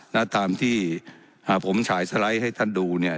นะตามที่พอผมฉายสไลท์ให้ท่านดูเนี้ย